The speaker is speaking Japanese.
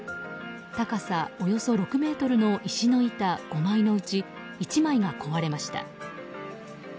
高さ、およそ６ｍの石の板５枚のうち１枚が壊れました。